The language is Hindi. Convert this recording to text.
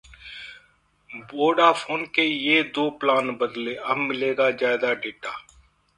वोडाफोन के ये दो प्लान बदले, अब मिलेगा ज्यादा डेटा